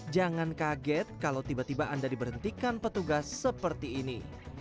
jangan kaget kalau tiba tiba anda diberhentikan petugas seperti ini